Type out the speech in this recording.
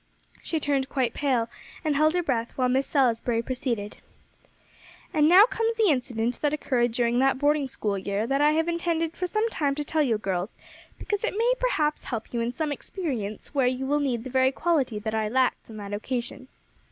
She turned quite pale, and held her breath, while Miss Salisbury proceeded. "And now comes the incident that occurred during that boarding school year, that I have intended for some time to tell you girls, because it may perhaps help you in some experience where you will need the very quality that I lacked on that occasion."